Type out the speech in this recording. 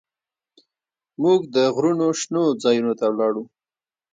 موږ د غرونو شنو ځايونو ته ولاړو.